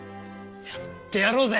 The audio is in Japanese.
やってやろうぜ！